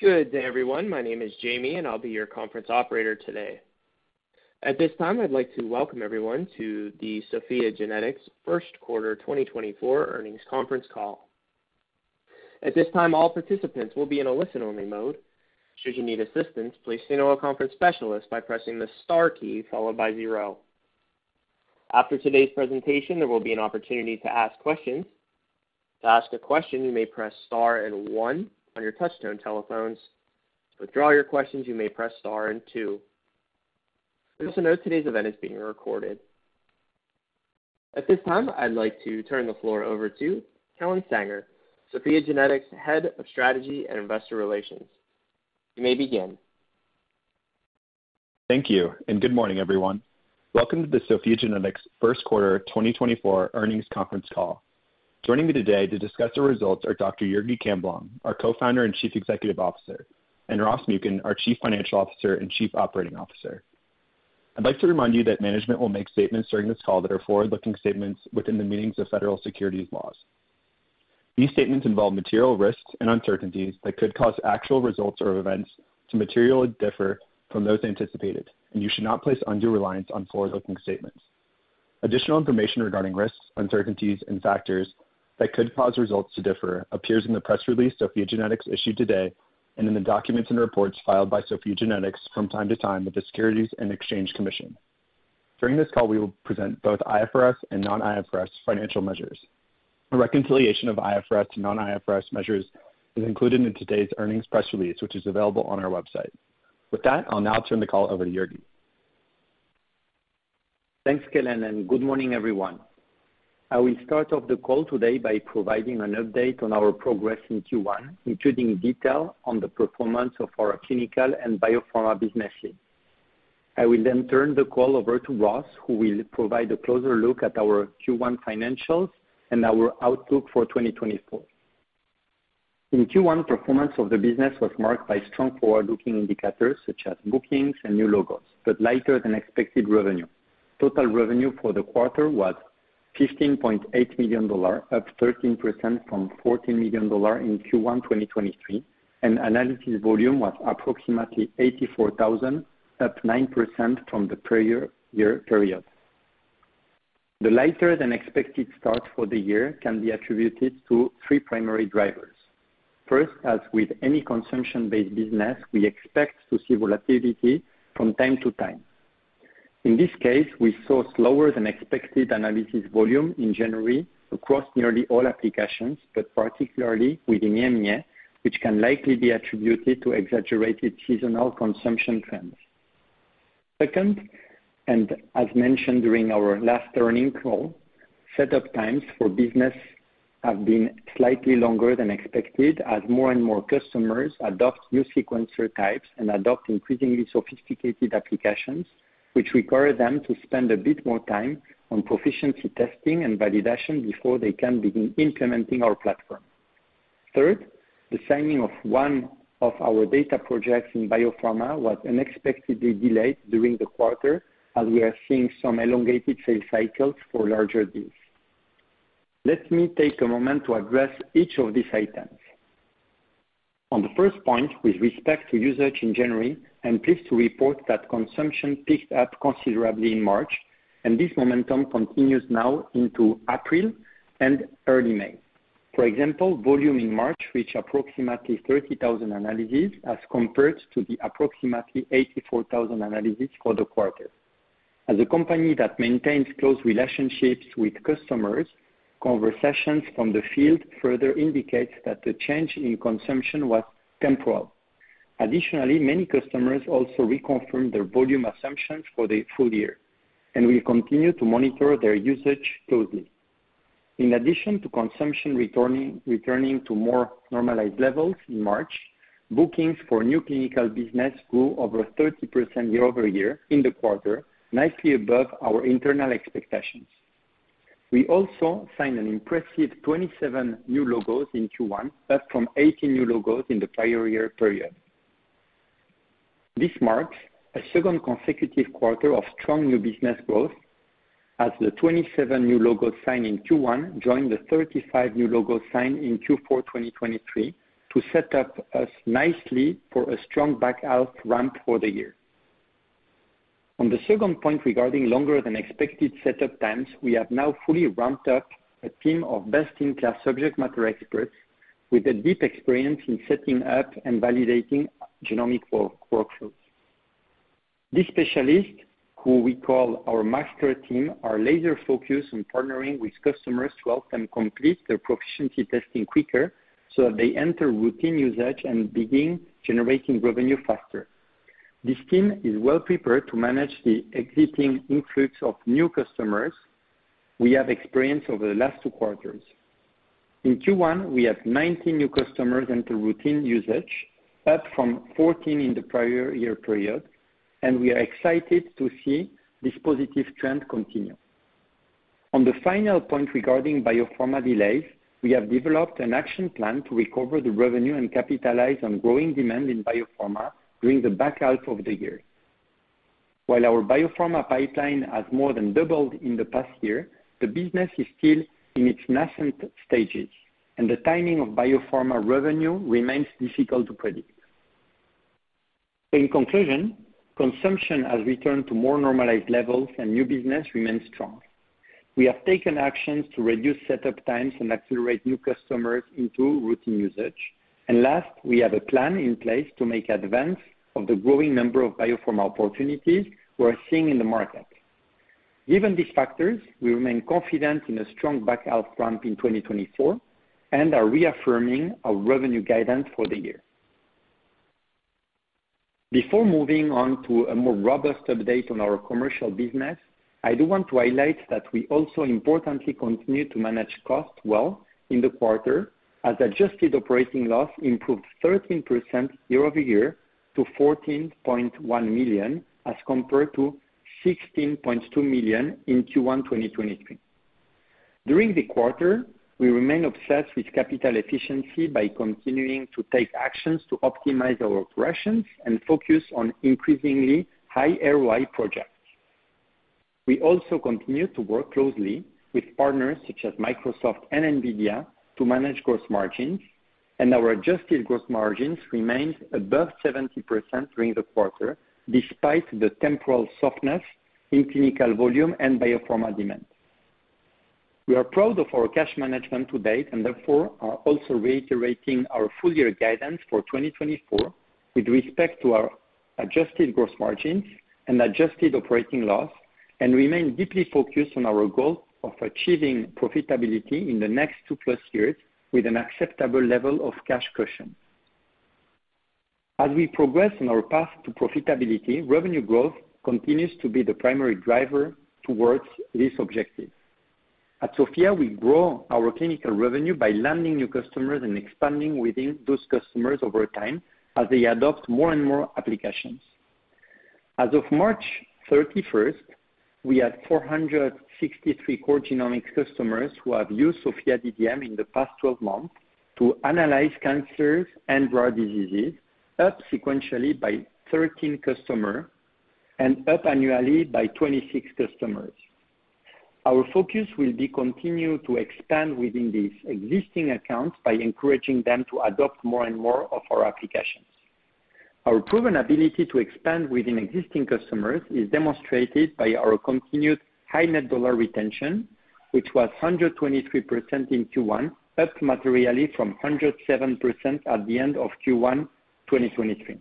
Good day, everyone. My name is Jamie, and I'll be your conference operator today. At this time, I'd like to welcome everyone to the SOPHiA GENETICS first quarter 2024 earnings conference call. At this time, all participants will be in a listen-only mode. Should you need assistance, please speak to our conference specialist by pressing the star key followed by zero. After today's presentation, there will be an opportunity to ask questions. To ask a question, you may press Star and one on your touchtone telephones. To withdraw your questions, you may press Star and two. Please note today's event is being recorded. At this time, I'd like to turn the floor over to Kellen Sanger, SOPHiA GENETICS, Head of Strategy and Investor Relations. You may begin. Thank you, and good morning, everyone. Welcome to the SOPHiA GENETICS first quarter 2024 earnings conference call. Joining me today to discuss the results are Dr. Jurgi Camblong, our Co-founder and Chief Executive Officer, and Ross Muken, our Chief Financial Officer and Chief Operating Officer. I'd like to remind you that management will make statements during this call that are forward-looking statements within the meanings of federal securities laws. These statements involve material risks and uncertainties that could cause actual results or events to materially differ from those anticipated, and you should not place undue reliance on forward-looking statements. Additional information regarding risks, uncertainties, and factors that could cause results to differ appears in the press release SOPHiA GENETICS issued today, and in the documents and reports filed by SOPHiA GENETICS from time to time with the Securities and Exchange Commission. During this call, we will present both IFRS and non-IFRS financial measures. A reconciliation of IFRS to non-IFRS measures is included in today's earnings press release, which is available on our website. With that, I'll now turn the call over to Jurgi. Thanks, Kellen, and good morning, everyone. I will start off the call today by providing an update on our progress in Q1, including detail on the performance of our clinical and biopharma businesses. I will then turn the call over to Ross, who will provide a closer look at our Q1 financials and our outlook for 2024. In Q1, performance of the business was marked by strong forward-looking indicators, such as bookings and new logos, but lighter than expected revenue. Total revenue for the quarter was $15.8 million, up 13% from $14 million in Q1 2023, and analysis volume was approximately 84,000, up 9% from the prior year period. The lighter than expected start for the year can be attributed to three primary drivers. First, as with any consumption-based business, we expect to see volatility from time to time. In this case, we saw slower than expected analysis volume in January across nearly all applications, but particularly within EMEA, which can likely be attributed to exaggerated seasonal consumption trends. Second, and as mentioned during our last earnings call, set-up times for business have been slightly longer than expected, as more and more customers adopt new sequencer types and adopt increasingly sophisticated applications, which require them to spend a bit more time on proficiency testing and validation before they can begin implementing our platform. Third, the signing of one of our data projects in biopharma was unexpectedly delayed during the quarter, as we are seeing some elongated sales cycles for larger deals. Let me take a moment to address each of these items. On the first point, with respect to usage in January, I'm pleased to report that consumption picked up considerably in March, and this momentum continues now into April and early May. For example, volume in March reached approximately 30,000 analyses, as compared to the approximately 84,000 analyses for the quarter. As a company that maintains close relationships with customers, conversations from the field further indicates that the change in consumption was temporal. Additionally, many customers also reconfirmed their volume assumptions for the full year, and we continue to monitor their usage closely. In addition to consumption returning to more normalized levels in March, bookings for new clinical business grew over 30% year-over-year in the quarter, nicely above our internal expectations. We also signed an impressive 27 new logos in Q1, up from 18 new logos in the prior year period. This marks a second consecutive quarter of strong new business growth, as the 27 new logos signed in Q1 joined the 35 new logos signed in Q4 2023, to set up us nicely for a strong back-half ramp for the year. On the second point, regarding longer than expected setup times, we have now fully ramped up a team of best-in-class subject matter experts with a deep experience in setting up and validating genomic workflows. These specialists, who we call our master team, are laser focused on partnering with customers to help them complete their proficiency testing quicker so that they enter routine usage and begin generating revenue faster. This team is well prepared to manage the exciting influx of new customers we have experienced over the last two quarters. In Q1, we have 19 new customers into routine usage, up from 14 in the prior year period, and we are excited to see this positive trend continue. On the final point regarding biopharma delays, we have developed an action plan to recover the revenue and capitalize on growing demand in biopharma during the back half of the year. While our biopharma pipeline has more than doubled in the past year, the business is still in its nascent stages, and the timing of biopharma revenue remains difficult to predict. So in conclusion, consumption has returned to more normalized levels, and new business remains strong. We have taken actions to reduce setup times and accelerate new customers into routine usage. And last, we have a plan in place to make advance of the growing number of biopharma opportunities we are seeing in the market. Given these factors, we remain confident in a strong back-half ramp in 2024 and are reaffirming our revenue guidance for the year. Before moving on to a more robust update on our commercial business, I do want to highlight that we also importantly continue to manage costs well in the quarter, as adjusted operating loss improved 13% year-over-year to $14.1 million, as compared to $16.2 million in Q1 2023. During the quarter, we remain obsessed with capital efficiency by continuing to take actions to optimize our operations and focus on increasingly high ROI projects. We also continue to work closely with partners such as Microsoft and NVIDIA to manage gross margins, and our adjusted gross margins remained above 70% during the quarter, despite the temporal softness in clinical volume and biopharma demand. We are proud of our cash management to date and therefore are also reiterating our full year guidance for 2024 with respect to our adjusted gross margin and adjusted operating loss, and remain deeply focused on our goal of achieving profitability in the next 2+ years with an acceptable level of cash cushion. As we progress on our path to profitability, revenue growth continues to be the primary driver towards this objective. At SOPHiA, we grow our clinical revenue by landing new customers and expanding within those customers over time as they adopt more and more applications. As of March 31st, we had 463 core genomic customers who have used SOPHiA DDM in the past 12 months to analyze cancers and rare diseases, up sequentially by 13 customers and up annually by 26 customers. Our focus will be to continue to expand within these existing accounts by encouraging them to adopt more and more of our applications. Our proven ability to expand within existing customers is demonstrated by our continued high Net Dollar Retention, which was 123% in Q1, up materially from 107% at the end of Q1 2023.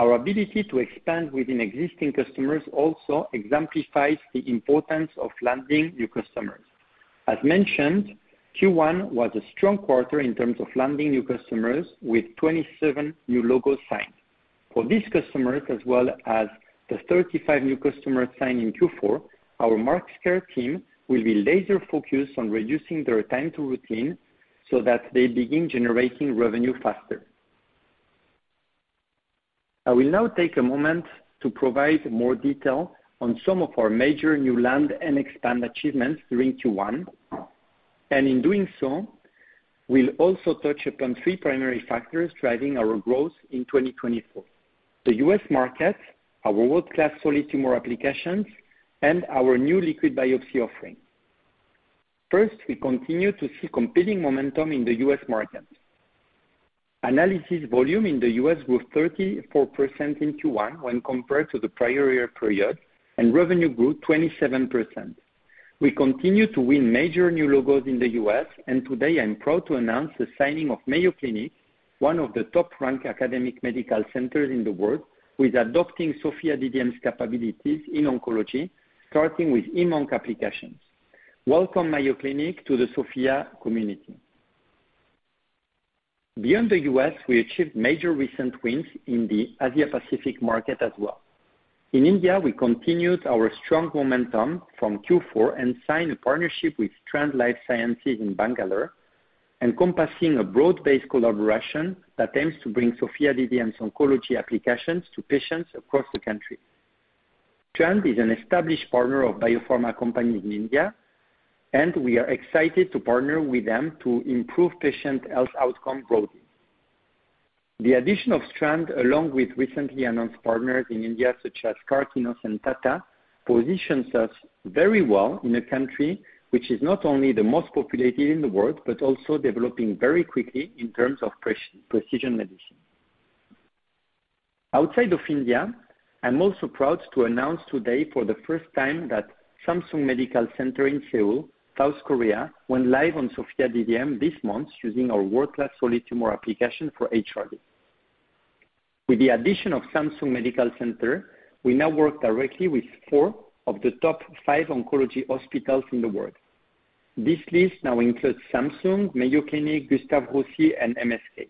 Our ability to expand within existing customers also exemplifies the importance of landing new customers. As mentioned, Q1 was a strong quarter in terms of landing new customers with 27 new logo signs. For these customers, as well as the 35 new customers signed in Q4, our market share team will be laser focused on reducing their time to routine so that they begin generating revenue faster. I will now take a moment to provide more detail on some of our major new land and expand achievements during Q1. And in doing so, we'll also touch upon three primary factors driving our growth in 2024: the U.S. market, our world-class solid tumor applications, and our new liquid biopsy offering. First, we continue to see compelling momentum in the U.S. market. Analysis volume in the U.S. grew 34% in Q1 when compared to the prior year period, and revenue grew 27%. We continue to win major new logos in the U.S., and today I'm proud to announce the signing of Mayo Clinic, one of the top-ranked academic medical centers in the world, with adopting SOPHiA DDM's capabilities in oncology, starting with Heme/Onc applications. Welcome, Mayo Clinic, to the SOPHiA community. Beyond the U.S., we achieved major recent wins in the Asia Pacific market as well. In India, we continued our strong momentum from Q4 and signed a partnership with Strand Life Sciences in Bangalore, encompassing a broad-based collaboration that aims to bring SOPHiA DDM's oncology applications to patients across the country. Strand is an established partner of biopharma company in India, and we are excited to partner with them to improve patient health outcome broadly. The addition of Strand, along with recently announced partners in India, such as Karkinos and Tata, positions us very well in a country which is not only the most populated in the world, but also developing very quickly in terms of precision medicine. Outside of India, I'm also proud to announce today, for the first time, that Samsung Medical Center in Seoul, South Korea, went live on SOPHiA DDM this month, using our world-class solid tumor application for HRD. With the addition of Samsung Medical Center, we now work directly with four of the top five oncology hospitals in the world. This list now includes Samsung, Mayo Clinic, Gustave Roussy, and MSK.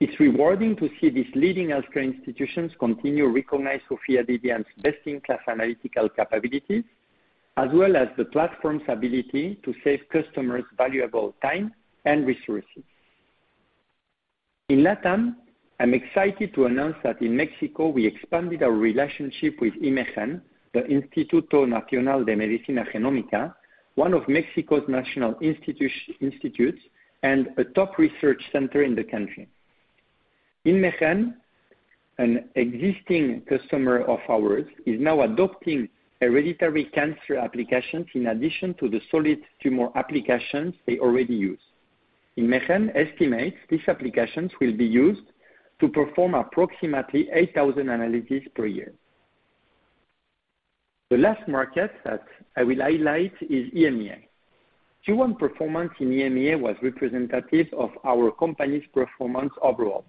It's rewarding to see these leading healthcare institutions continue to recognize SOPHiA DDM's best-in-class analytical capabilities, as well as the platform's ability to save customers valuable time and resources. In LatAm, I'm excited to announce that in Mexico, we expanded our relationship with INMEGEN, the Instituto Nacional de Medicina Genómica, one of Mexico's national institutes, and a top research center in the country. In Mexico, an existing customer of ours is now adopting hereditary cancer applications in addition to the solid tumor applications they already use. INMEGEN's estimates, these applications will be used to perform approximately 8,000 analyses per year. The last market that I will highlight is EMEA. Q1 performance in EMEA was representative of our company's performance overall,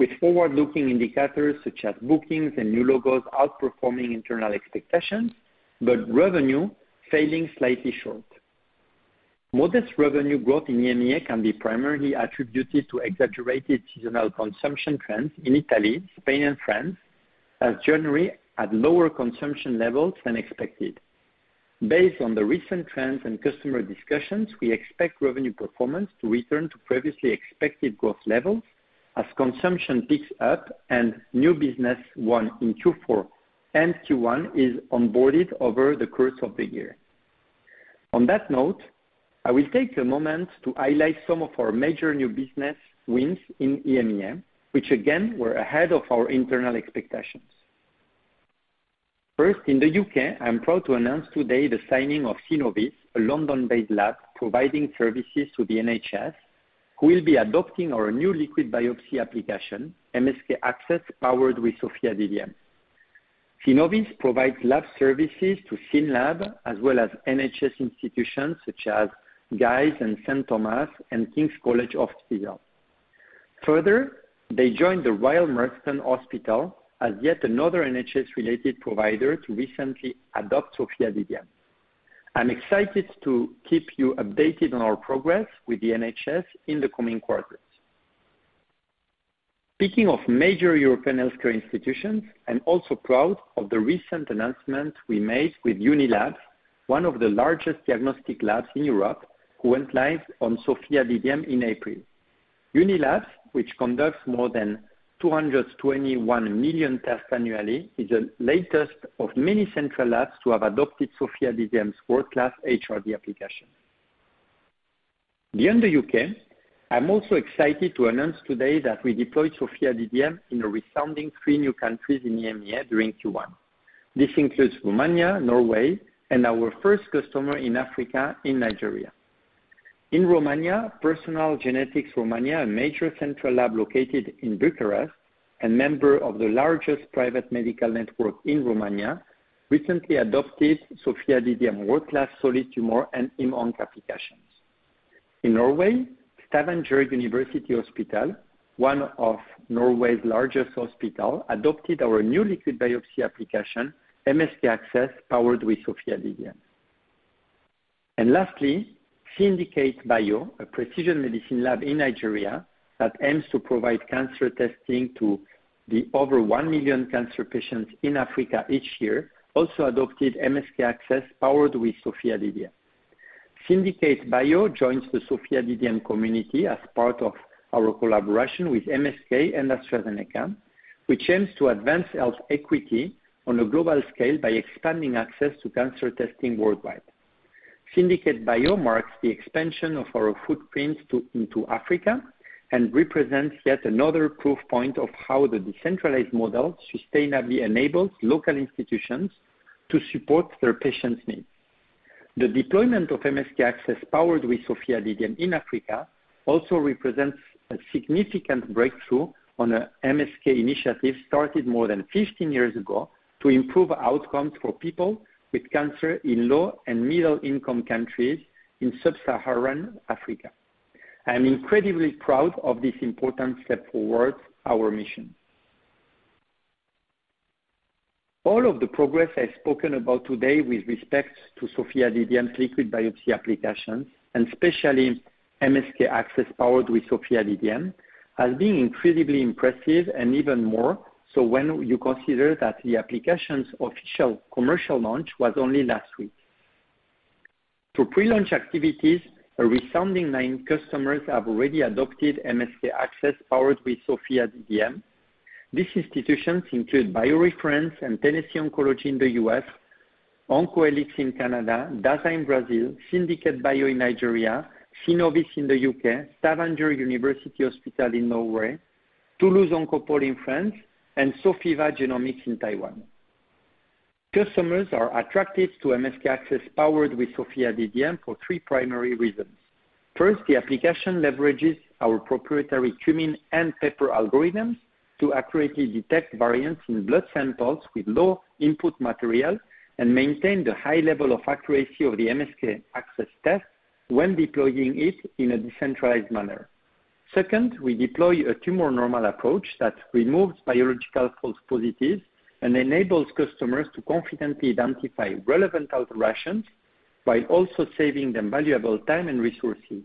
with forward-looking indicators such as bookings and new logos outperforming internal expectations, but revenue failing slightly short. Modest revenue growth in EMEA can be primarily attributed to exaggerated seasonal consumption trends in Italy, Spain, and France, as January had lower consumption levels than expected. Based on the recent trends and customer discussions, we expect revenue performance to return to previously expected growth levels as consumption picks up and new business won in Q4 and Q1 is onboarded over the course of the year. On that note, I will take a moment to highlight some of our major new business wins in EMEA, which again, were ahead of our internal expectations. First, in the U.K., I'm proud to announce today the signing of Synnovis, a London-based lab providing services to the NHS, who will be adopting our new liquid biopsy application, MSK-ACCESS, powered with SOPHiA DDM. Synnovis provides lab services to Synlab, as well as NHS institutions such as Guy's and St Thomas' and King's College Hospital. Further, they joined the Royal Marsden Hospital as yet another NHS-related provider to recently adopt SOPHiA DDM. I'm excited to keep you updated on our progress with the NHS in the coming quarters. Speaking of major European healthcare institutions, I'm also proud of the recent announcement we made with Unilabs, one of the largest diagnostic labs in Europe, who went live on SOPHiA DDM in April. Unilabs, which conducts more than 221 million tests annually, is the latest of many central labs to have adopted SOPHiA DDM's world-class HRD application. Beyond the U.K., I'm also excited to announce today that we deployed SOPHiA DDM in a resounding three new countries in EMEA during Q1. This includes Romania, Norway, and our first customer in Africa, in Nigeria. In Romania, Personal Genetics Romania, a major central lab located in Bucharest, a member of the largest private medical network in Romania, recently adopted SOPHiA DDM world-class Solid Tumor and Heme/Onc applications. In Norway, Stavanger University Hospital, one of Norway's largest hospitals, adopted our new liquid biopsy application, MSK-ACCESS, powered by SOPHiA DDM. Lastly, Syndicate Bio, a precision medicine lab in Nigeria that aims to provide cancer testing to the over 1 million cancer patients in Africa each year, also adopted MSK-ACCESS, powered with SOPHiA DDM. Syndicate Bio joins the SOPHiA DDM community as part of our collaboration with MSK and AstraZeneca, which aims to advance health equity on a global scale by expanding access to cancer testing worldwide. Syndicate Bio marks the expansion of our footprints into Africa and represents yet another proof point of how the decentralized model sustainably enables local institutions to support their patients' needs. The deployment of MSK-ACCESS, powered with SOPHiA DDM in Africa, also represents a significant breakthrough on a MSK initiative started more than 15 years ago, to improve outcomes for people with cancer in low and middle-income countries in sub-Saharan Africa. I'm incredibly proud of this important step towards our mission. All of the progress I've spoken about today with respect to SOPHiA DDM's liquid biopsy application, and especially MSK-ACCESS, powered with SOPHiA DDM, has been incredibly impressive and even more so when you consider that the application's official commercial launch was only last week. Through pre-launch activities, a resounding nine customers have already adopted MSK-ACCESS, powered with SOPHiA DDM. These institutions include BioReference and Tennessee Oncology in the U.S., OncoHelix in Canada, Dasa in Brazil, Syndicate Bio in Nigeria, Synnovis in the U.K., Stavanger University Hospital in Norway, Toulouse Oncopole in France, and Sofiva Genomics in Taiwan. Customers are attracted to MSK-ACCESS, powered with SOPHiA DDM, for three primary reasons. First, the application leverages our proprietary CUMIN and PEPPER algorithms to accurately detect variants in blood samples with low input material and maintain the high level of accuracy of the MSK-ACCESS test when deploying it in a decentralized manner. Second, we deploy a tumor-normal approach that removes biological false positives and enables customers to confidently identify relevant alterations, while also saving them valuable time and resources.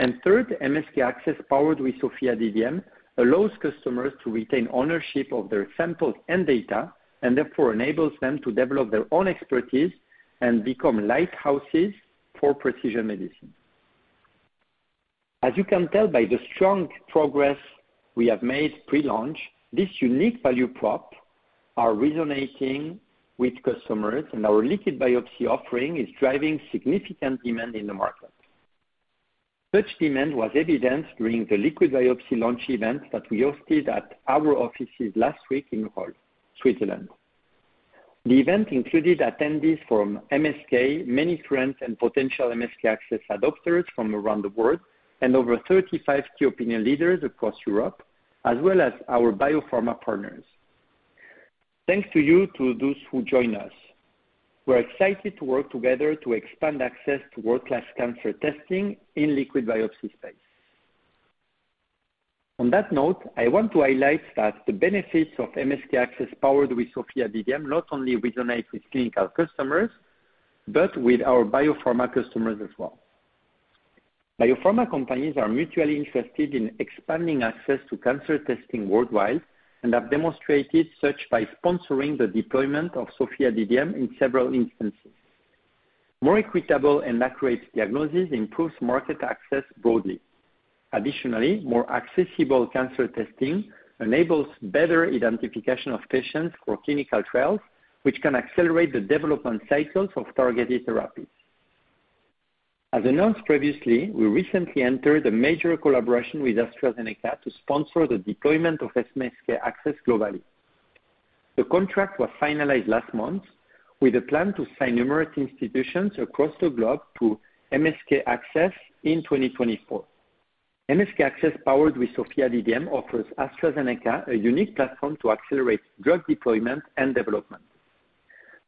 And third, MSK-ACCESS, powered with SOPHiA DDM, allows customers to retain ownership of their samples and data, and therefore enables them to develop their own expertise and become lighthouses for precision medicine. As you can tell by the strong progress we have made pre-launch, this unique value prop are resonating with customers, and our liquid biopsy offering is driving significant demand in the market. Such demand was evidenced during the liquid biopsy launch event that we hosted at our offices last week in Rolle, Switzerland. The event included attendees from MSK, many friends and potential MSK-ACCESS adopters from around the world, and over 35 key opinion leaders across Europe, as well as our biopharma partners. Thanks to you, to those who joined us. We're excited to work together to expand access to world-class cancer testing in liquid biopsy space. On that note, I want to highlight that the benefits of MSK-ACCESS powered with SOPHiA DDM not only resonate with clinical customers, but with our biopharma customers as well. Biopharma companies are mutually interested in expanding access to cancer testing worldwide and have demonstrated such by sponsoring the deployment of SOPHiA DDM in several instances. More equitable and accurate diagnosis improves market access broadly. Additionally, more accessible cancer testing enables better identification of patients for clinical trials, which can accelerate the development cycles of targeted therapies. As announced previously, we recently entered a major collaboration with AstraZeneca to sponsor the deployment of MSK-ACCESS globally. The contract was finalized last month with a plan to sign numerous institutions across the globe to MSK-ACCESS in 2024. MSK-ACCESS, powered with SOPHiA DDM, offers AstraZeneca a unique platform to accelerate drug deployment and development.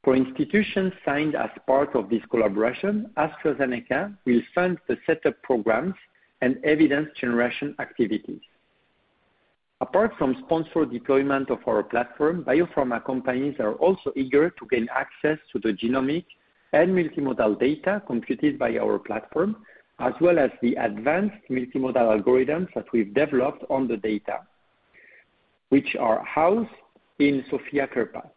For institutions signed as part of this collaboration, AstraZeneca will fund the setup programs and evidence generation activities. Apart from sponsored deployment of our platform, biopharma companies are also eager to gain access to the genomic and multimodal data computed by our platform, as well as the advanced multimodal algorithms that we've developed on the data, which are housed in SOPHiA CarePath.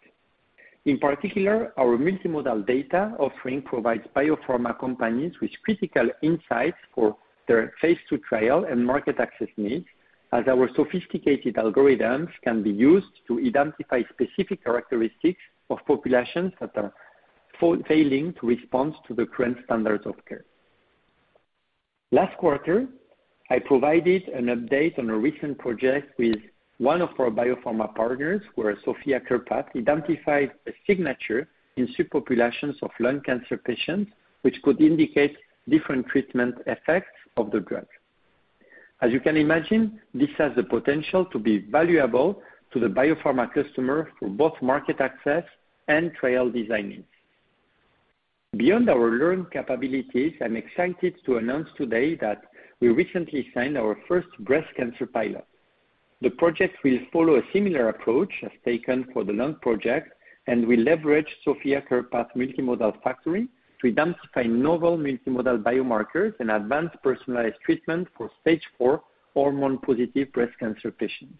In particular, our multimodal data offering provides biopharma companies with critical insights for their phase two trial and market access needs, as our sophisticated algorithms can be used to identify specific characteristics of populations that are failing to respond to the current standards of care. Last quarter, I provided an update on a recent project with one of our biopharma partners, where SOPHiA CarePath identified a signature in subpopulations of lung cancer patients, which could indicate different treatment effects of the drug. As you can imagine, this has the potential to be valuable to the biopharma customer for both market access and trial designing. Beyond our learning capabilities, I'm excited to announce today that we recently signed our first breast cancer pilot. The project will follow a similar approach as taken for the lung project, and we leverage SOPHiA CarePath Multimodal Factory to identify novel multimodal biomarkers and advanced personalized treatment for stage four hormone-positive breast cancer patients.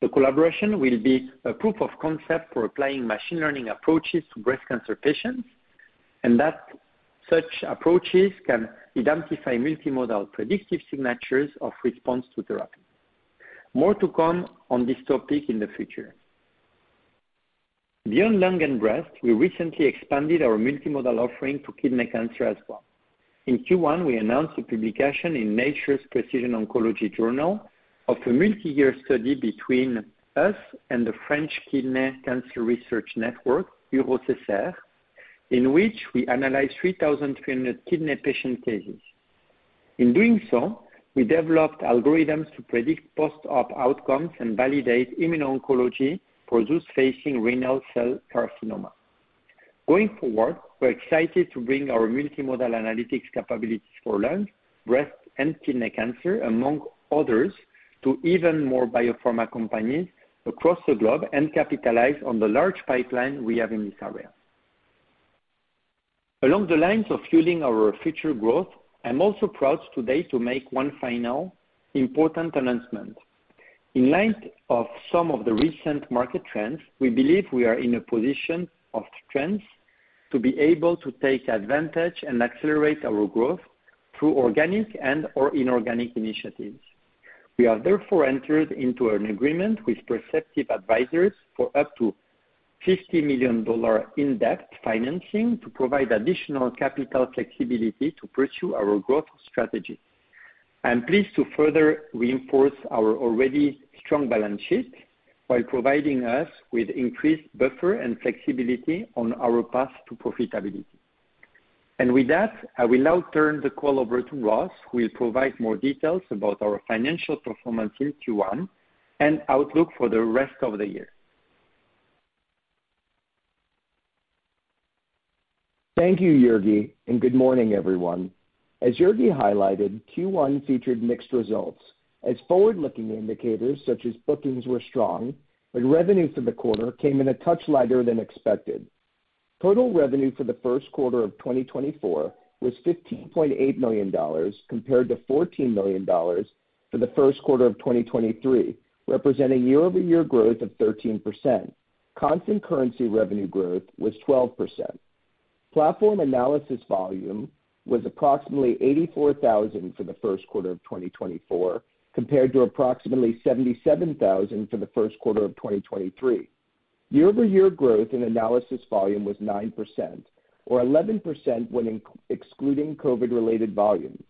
The collaboration will be a proof of concept for applying machine learning approaches to breast cancer patients, and that such approaches can identify multimodal predictive signatures of response to therapy. More to come on this topic in the future. Beyond lung and breast, we recently expanded our multimodal offering to kidney cancer as well. In Q1, we announced a publication in Nature's Precision Oncology Journal of a multi-year study between us and the French Kidney Cancer Research Network, UroCCR, in which we analyzed 3,300 kidney patient cases. In doing so, we developed algorithms to predict post-op outcomes and validate immuno-oncology for those facing renal cell carcinoma. Going forward, we're excited to bring our multimodal analytics capabilities for lung, breast, and kidney cancer, among others, to even more biopharma companies across the globe and capitalize on the large pipeline we have in this area. Along the lines of fueling our future growth, I'm also proud today to make one final important announcement. In light of some of the recent market trends, we believe we are in a position of strength to be able to take advantage and accelerate our growth through organic and/or inorganic initiatives. We have therefore entered into an agreement with Perceptive Advisors for up to $50 million in debt financing to provide additional capital flexibility to pursue our growth strategy. I'm pleased to further reinforce our already strong balance sheet while providing us with increased buffer and flexibility on our path to profitability. With that, I will now turn the call over to Ross, who will provide more details about our financial performance in Q1 and outlook for the rest of the year. Thank you, Jurgi, and good morning, everyone. As Jurgi highlighted, Q1 featured mixed results, as forward-looking indicators, such as bookings, were strong, but revenue for the quarter came in a touch lighter than expected. Total revenue for the first quarter of 2024 was $15.8 million, compared to $14 million for the first quarter of 2023, representing year-over-year growth of 13%. Constant currency revenue growth was 12%. Platform analysis volume was approximately 84,000 for the first quarter of 2024, compared to approximately 77,000 for the first quarter of 2023. Year-over-year growth in analysis volume was 9%, or 11% when excluding COVID-related volumes.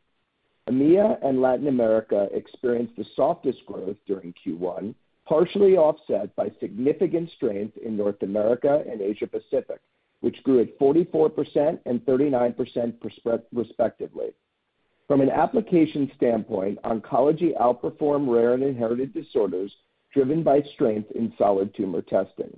EMEA and Latin America experienced the softest growth during Q1, partially offset by significant strength in North America and Asia Pacific, which grew at 44% and 39% respectively. From an application standpoint, oncology outperformed rare and inherited disorders, driven by strength in solid tumor testing.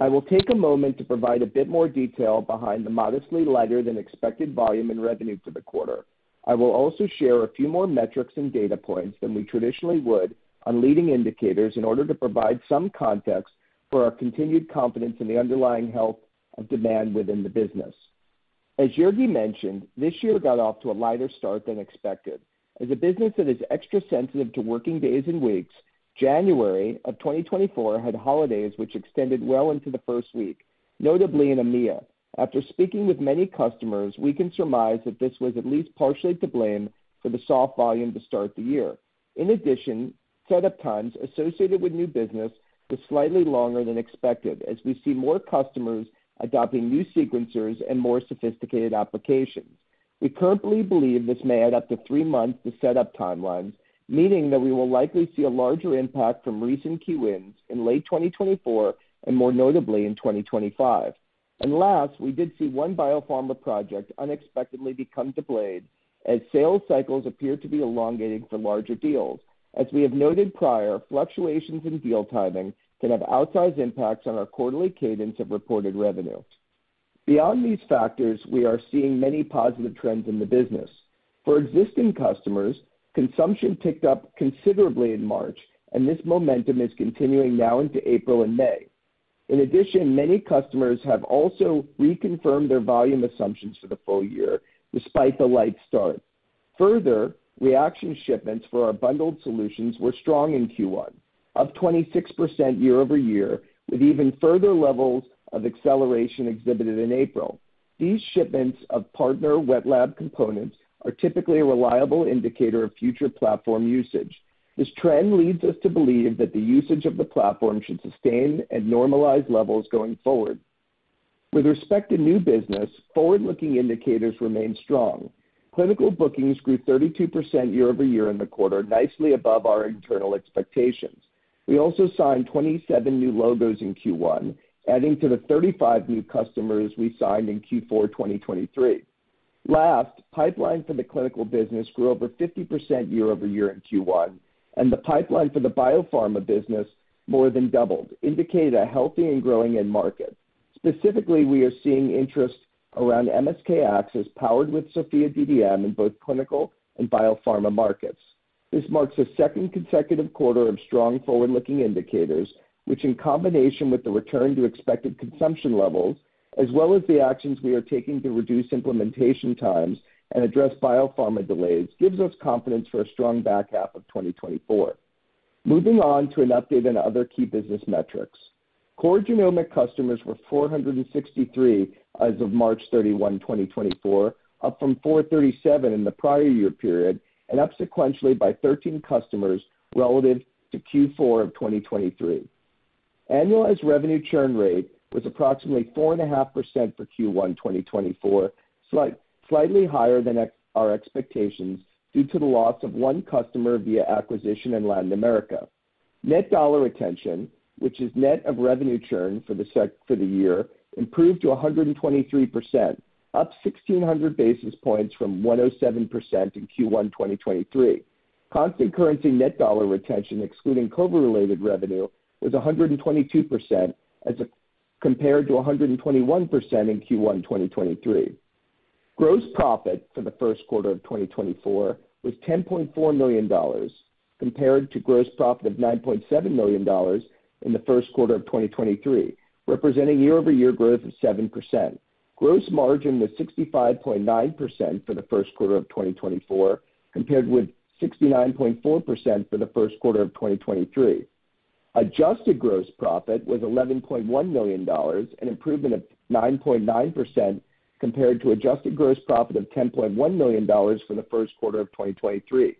I will take a moment to provide a bit more detail behind the modestly lighter than expected volume and revenue for the quarter. I will also share a few more metrics and data points than we traditionally would on leading indicators, in order to provide some context for our continued confidence in the underlying health of demand within the business. As Jurgi mentioned, this year got off to a lighter start than expected. As a business that is extra sensitive to working days and weeks, January of 2024 had holidays which extended well into the first week, notably in EMEA. After speaking with many customers, we can surmise that this was at least partially to blame for the soft volume to start the year. In addition, setup times associated with new business was slightly longer than expected, as we see more customers adopting new sequencers and more sophisticated applications. We currently believe this may add up to three months to setup timelines, meaning that we will likely see a larger impact from recent key wins in late 2024, and more notably, in 2025. And last, we did see one biopharma project unexpectedly become delayed, as sales cycles appear to be elongating for larger deals. As we have noted prior, fluctuations in deal timing can have outsized impacts on our quarterly cadence of reported revenue. Beyond these factors, we are seeing many positive trends in the business. For existing customers, consumption ticked up considerably in March, and this momentum is continuing now into April and May. In addition, many customers have also reconfirmed their volume assumptions for the full year, despite the light start. Further, reagent shipments for our bundled solutions were strong in Q1, up 26% year-over-year, with even further levels of acceleration exhibited in April. These shipments of partner wet lab components are typically a reliable indicator of future platform usage. This trend leads us to believe that the usage of the platform should sustain at normalized levels going forward. With respect to new business, forward-looking indicators remain strong. Clinical bookings grew 32% year-over-year in the quarter, nicely above our internal expectations. We also signed 27 new logos in Q1, adding to the 35 new customers we signed in Q4 2023. Last, pipeline for the clinical business grew over 50% year-over-year in Q1, and the pipeline for the biopharma business more than doubled, indicating a healthy and growing end market. Specifically, we are seeing interest around MSK-ACCESS, powered with SOPHiA DDM in both clinical and biopharma markets. This marks the second consecutive quarter of strong forward-looking indicators, which in combination with the return to expected consumption levels, as well as the actions we are taking to reduce implementation times and address biopharma delays, gives us confidence for a strong back half of 2024. Moving on to an update on other key business metrics. Core genomic customers were 463 as of March 31, 2024, up from 437 in the prior year period, and up sequentially by 13 customers relative to Q4 of 2023. Annualized revenue churn rate was approximately 4.5% for Q1 2024, slightly higher than our expectations, due to the loss of one customer via acquisition in Latin America. Net dollar retention, which is net of revenue churn for the year, improved to 123%, up 1,600 basis points from 107% in Q1 2023. Constant currency net dollar retention, excluding COVID-related revenue, was 122% compared to 121% in Q1 2023. Gross profit for the first quarter of 2024 was $10.4 million, compared to gross profit of $9.7 million in the first quarter of 2023, representing year-over-year growth of 7%. Gross margin was 65.9% for the first quarter of 2024, compared with 69.4% for the first quarter of 2023. Adjusted gross profit was $11.1 million, an improvement of 9.9% compared to adjusted gross profit of $10.1 million for the first quarter of 2023.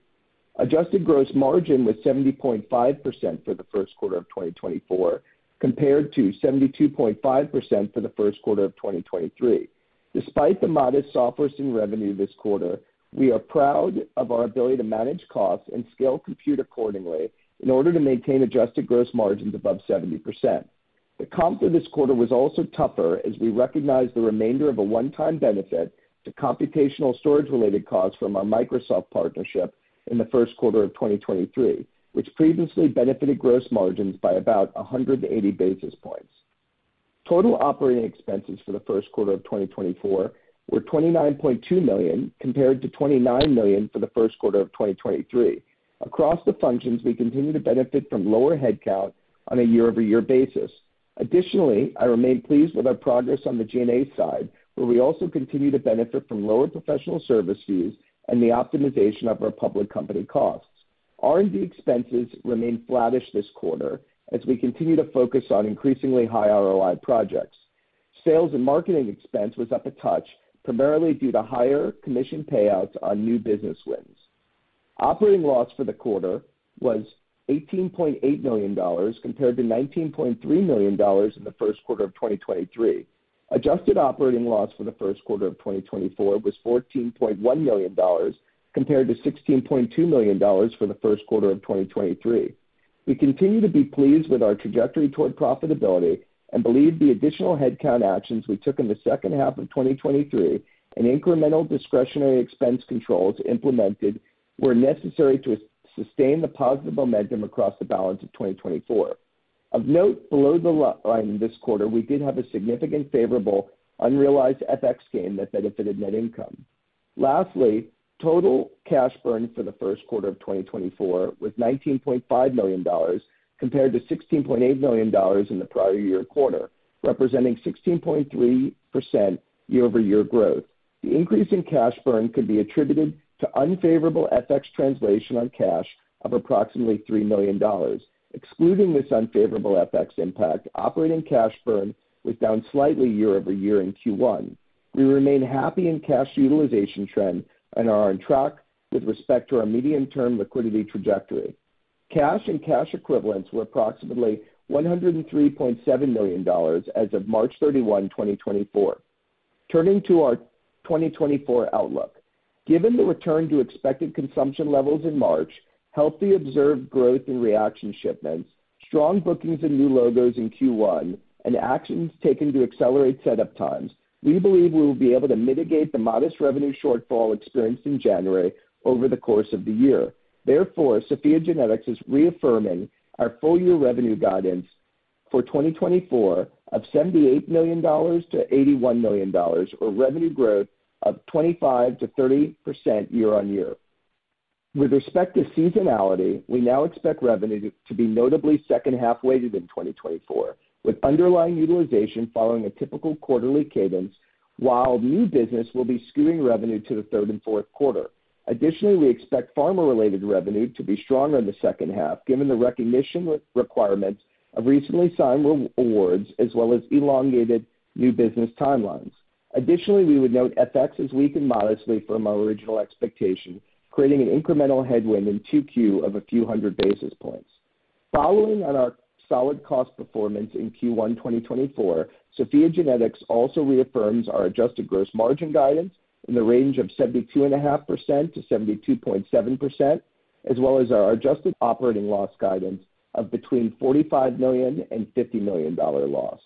Adjusted gross margin was 70.5% for the first quarter of 2024, compared to 72.5% for the first quarter of 2023. Despite the modest softness in revenue this quarter, we are proud of our ability to manage costs and scale compute accordingly in order to maintain adjusted gross margins above 70%. The comp for this quarter was also tougher, as we recognized the remainder of a one-time benefit to computational storage-related costs from our Microsoft partnership in the first quarter of 2023, which previously benefited gross margins by about 180 basis points. Total operating expenses for the first quarter of 2024 were $29.2 million, compared to $29 million for the first quarter of 2023. Across the functions, we continue to benefit from lower headcount on a year-over-year basis. Additionally, I remain pleased with our progress on the G&A side, where we also continue to benefit from lower professional service fees and the optimization of our public company costs. R&D expenses remained flattish this quarter, as we continue to focus on increasingly high ROI projects. Sales and marketing expense was up a touch, primarily due to higher commission payouts on new business wins. Operating loss for the quarter was $18.8 million, compared to $19.3 million in the first quarter of 2023. Adjusted operating loss for the first quarter of 2024 was $14.1 million, compared to $16.2 million for the first quarter of 2023. We continue to be pleased with our trajectory toward profitability and believe the additional headcount actions we took in the second half of 2023 and incremental discretionary expense controls implemented were necessary to sustain the positive momentum across the balance of 2024. Of note, below the line in this quarter, we did have a significant favorable unrealized FX gain that benefited net income. Lastly, total cash burn for the first quarter of 2024 was $19.5 million, compared to $16.8 million in the prior year quarter, representing 16.3% year-over-year growth. The increase in cash burn could be attributed to unfavorable FX translation on cash of approximately $3 million. Excluding this unfavorable FX impact, operating cash burn was down slightly year-over-year in Q1. We remain happy in cash utilization trend and are on track with respect to our medium-term liquidity trajectory. Cash and cash equivalents were approximately $103.7 million as of March 31, 2024. Turning to our 2024 outlook. Given the return to expected consumption levels in March, healthy observed growth in reagent shipments, strong bookings and new logos in Q1, and actions taken to accelerate setup times, we believe we will be able to mitigate the modest revenue shortfall experienced in January over the course of the year. Therefore, SOPHiA GENETICS is reaffirming our full-year revenue guidance for 2024 of $78 million-$81 million, or revenue growth of 25%-30% year-on-year. With respect to seasonality, we now expect revenue to be notably second half-weighted in 2024, with underlying utilization following a typical quarterly cadence, while new business will be skewing revenue to the third and fourth quarter. Additionally, we expect pharma-related revenue to be stronger in the second half, given the revenue recognition requirements of recently signed renewal awards, as well as elongated new business timelines. Additionally, we would note FX has weakened modestly from our original expectation, creating an incremental headwind in 2Q of a few hundred basis points. Following on our solid cost performance in Q1, 2024, SOPHiA GENETICS also reaffirms our adjusted gross margin guidance in the range of 72.5%-72.7%, as well as our adjusted operating loss guidance of between $45 million- and $50 million-dollar loss.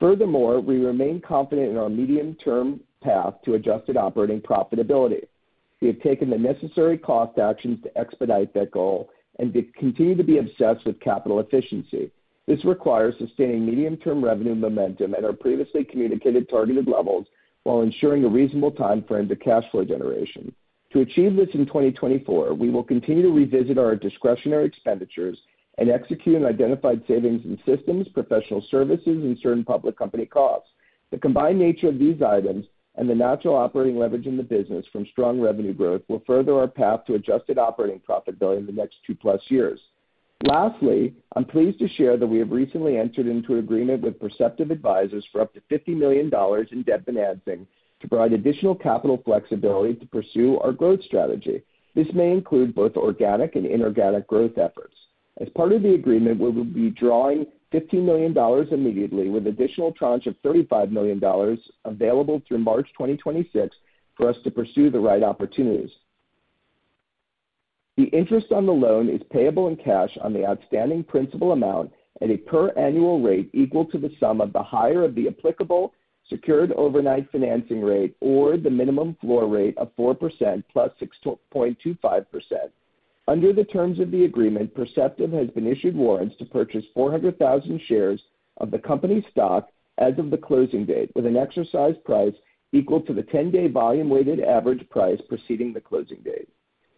Furthermore, we remain confident in our medium-term path to adjusted operating profitability. We have taken the necessary cost actions to expedite that goal and continue to be obsessed with capital efficiency. This requires sustaining medium-term revenue momentum at our previously communicated targeted levels, while ensuring a reasonable timeframe to cash flow generation. To achieve this in 2024, we will continue to revisit our discretionary expenditures and execute on identified savings in systems, professional services, and certain public company costs. The combined nature of these items and the natural operating leverage in the business from strong revenue growth will further our path to adjusted operating profitability in the next 2+ years. Lastly, I'm pleased to share that we have recently entered into an agreement with Perceptive Advisors for up to $50 million in debt financing to provide additional capital flexibility to pursue our growth strategy. This may include both organic and inorganic growth efforts. As part of the agreement, we will be drawing $15 million immediately, with additional tranche of $35 million available through March 2026 for us to pursue the right opportunities. The interest on the loan is payable in cash on the outstanding principal amount at a per annual rate equal to the sum of the higher of the applicable Secured Overnight Financing Rate or the minimum floor rate of 4% + 6.25%. Under the terms of the agreement, Perceptive has been issued warrants to purchase 400,000 shares of the company's stock as of the closing date, with an exercise price equal to the 10-day volume-weighted average price preceding the closing date.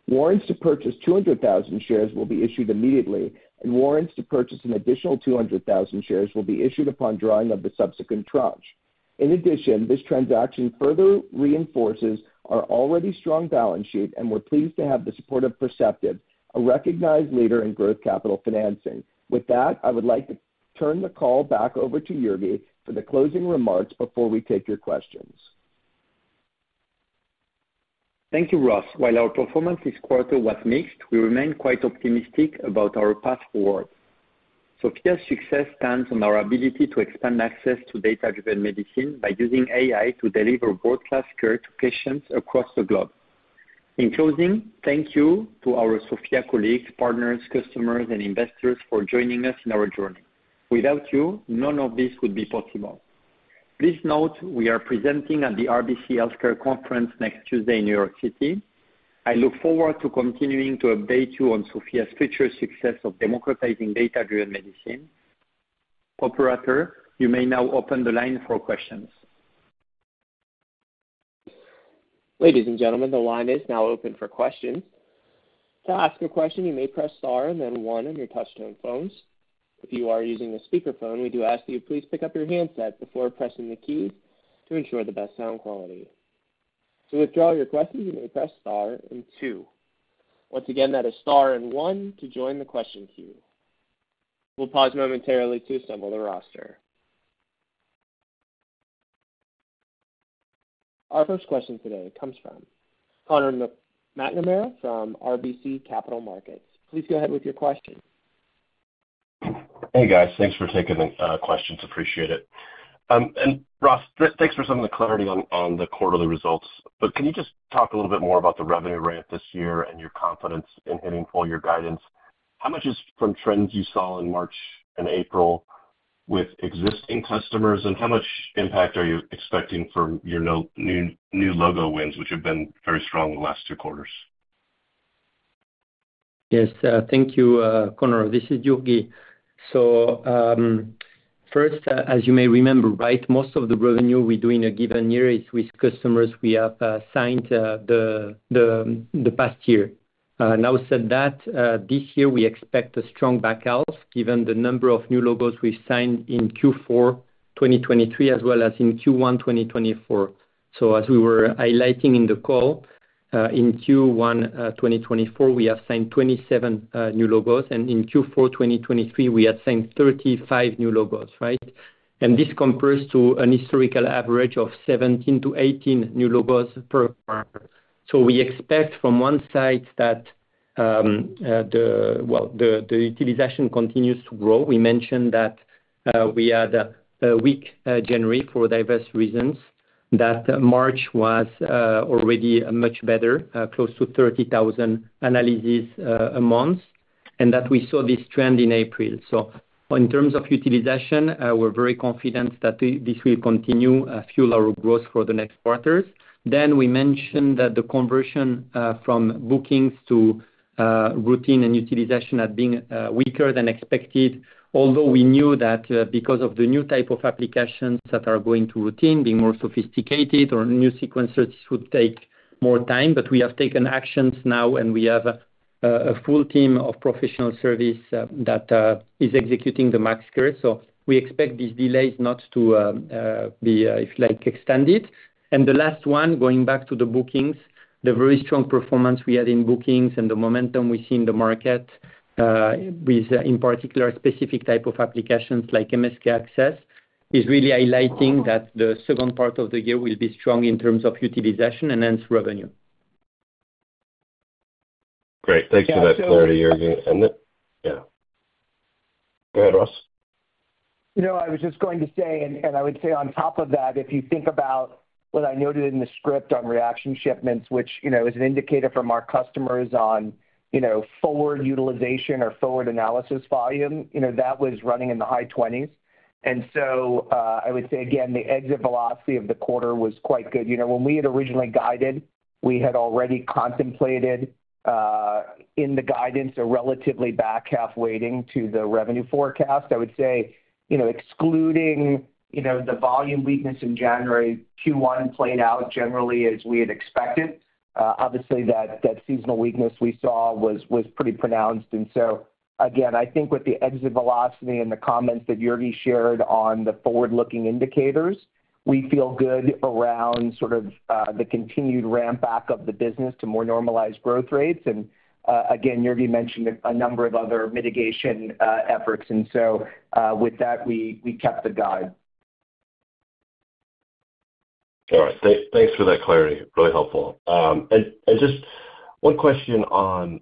Warrants to purchase 200,000 shares will be issued immediately and warrants to purchase an additional 200,000 shares will be issued upon drawing of the subsequent tranche. In addition, this transaction further reinforces our already strong balance sheet, and we're pleased to have the support of Perceptive, a recognized leader in growth capital financing. With that, I would like to turn the call back over to Jurgi for the closing remarks before we take your questions. Thank you, Ross. While our performance this quarter was mixed, we remain quite optimistic about our path forward. SOPHiA's success stands on our ability to expand access to data-driven medicine by using AI to deliver world-class care to patients across the globe. In closing, thank you to our SOPHiA colleagues, partners, customers, and investors for joining us in our journey. Without you, none of this would be possible. Please note, we are presenting at the RBC Healthcare Conference next Tuesday in New York City. I look forward to continuing to update you on SOPHiA's future success of democratizing data-driven medicine. Operator, you may now open the line for questions. Ladies and gentlemen, the line is now open for questions. To ask a question, you may press star and then one on your touchtone phones. If you are using a speakerphone, we do ask that you please pick up your handset before pressing the key to ensure the best sound quality. To withdraw your question, you may press star and two. Once again, that is star and one to join the question queue. We'll pause momentarily to assemble the roster. Our first question today comes from Conor McNamara from RBC Capital Markets. Please go ahead with your question. Hey, guys. Thanks for taking the questions. Appreciate it. And Ross, thanks for some of the clarity on the quarterly results, but can you just talk a little bit more about the revenue ramp this year and your confidence in hitting full year guidance? How much is from trends you saw in March and April with existing customers, and how much impact are you expecting from your new logo wins, which have been very strong in the last two quarters? Yes, thank you, Conor. This is Jurgi. So, first, as you may remember, right, most of the revenue we do in a given year is with customers we have signed the past year. Now said that, this year we expect a strong back half, given the number of new logos we signed in Q4 2023, as well as in Q1 2024. So as we were highlighting in the call, in Q1 2024, we have signed 27 new logos, and in Q4 2023, we have signed 35 new logos, right? And this compares to an historical average of 17-18 new logos per quarter. So we expect from one side that, well, the utilization continues to grow. We mentioned that we had a weak January for diverse reasons, that March was already much better, close to 30,000 analyses a month, and that we saw this trend in April. So in terms of utilization, we're very confident that this will continue, fuel our growth for the next quarters. Then we mentioned that the conversion from bookings to routine and utilization had been weaker than expected. Although we knew that, because of the new type of applications that are going to routine, being more sophisticated or new sequences, this would take more time, but we have taken actions now, and we have a full team of professional service that is executing the [masters]. So we expect these delays not to be if like extended. The last one, going back to the bookings, the very strong performance we had in bookings and the momentum we see in the market, with, in particular, specific type of applications like MSK-ACCESS, is really highlighting that the second part of the year will be strong in terms of utilization and hence, revenue. Great. Thanks for that clarity, Jurgi. And yeah. Go ahead, Ross. You know, I was just going to say, and I would say on top of that, if you think about what I noted in the script on reaction shipments, which, you know, is an indicator from our customers on, you know, forward utilization or forward analysis volume, you know, that was running in the high 20s. And so, I would say again, the exit velocity of the quarter was quite good. You know, when we had originally guided, we had already contemplated, in the guidance, a relatively back half weighting to the revenue forecast. I would say, you know, excluding, you know, the volume weakness in January, Q1 played out generally as we had expected. Obviously, that seasonal weakness we saw was pretty pronounced. Again, I think with the exit velocity and the comments that Jurgi shared on the forward-looking indicators, we feel good around sort of the continued ramp back of the business to more normalized growth rates. Again, Jurgi mentioned a number of other mitigation efforts, and so, with that, we kept the guide. All right. Thanks for that clarity. Really helpful. And just one question on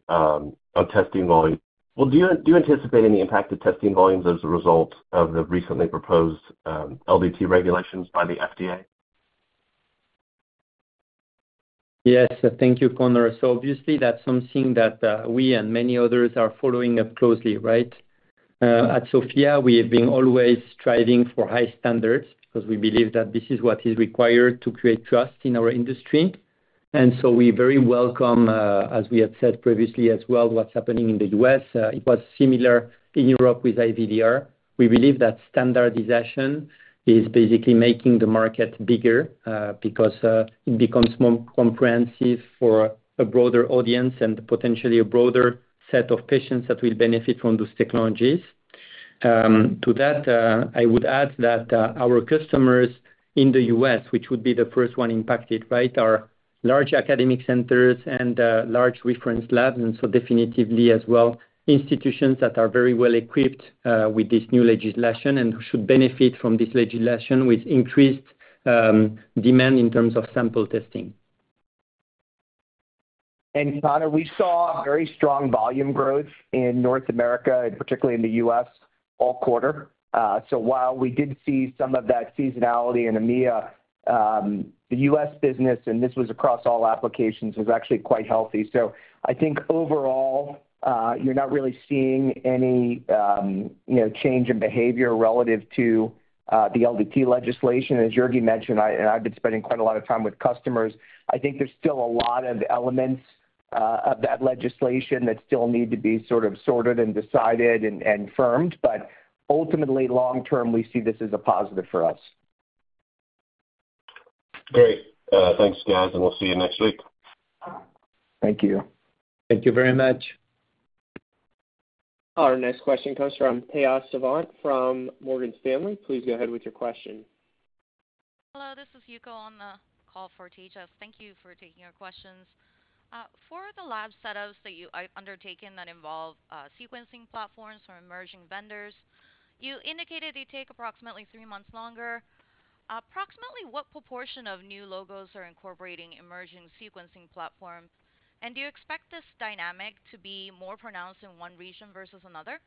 testing volume. Well, do you anticipate any impact of testing volumes as a result of the recently proposed LDT regulations by the FDA? Yes, thank you, Conor. So obviously, that's something that we and many others are following up closely, right? At SOPHiA, we have been always striving for high standards because we believe that this is what is required to create trust in our industry. And so we very welcome, as we have said previously as well, what's happening in the U.S. It was similar in Europe with IVDR. We believe that standardization is basically making the market bigger because it becomes more comprehensive for a broader audience and potentially a broader set of patients that will benefit from those technologies. To that, I would add that our customers in the U.S., which would be the first one impacted, right, are large academic centers and large reference labs, and so definitively as well, institutions that are very well equipped with this new legislation and should benefit from this legislation with increased demand in terms of sample testing. And Conor, we saw very strong volume growth in North America, and particularly in the U.S., all quarter. So while we did see some of that seasonality in EMEA, the U.S. business, and this was across all applications, was actually quite healthy. So I think overall, you're not really seeing any, you know, change in behavior relative to the LDT legislation. As Jurgi mentioned, and I've been spending quite a lot of time with customers, I think there's still a lot of elements of that legislation that still need to be sort of sorted and decided and firmed, but ultimately, long term, we see this as a positive for us. Great. Thanks, guys, and we'll see you next week. Thank you. Thank you very much. Our next question comes from Tejas Savant, from Morgan Stanley. Please go ahead with your question. Hello, this is Yuko on the line for the call for Tejas. Thank you for taking our questions. For the lab setups that you have undertaken that involve sequencing platforms from emerging vendors, you indicated they take approximately three months longer. Approximately what proportion of new logos are incorporating emerging sequencing platforms? And do you expect this dynamic to be more pronounced in one region versus another?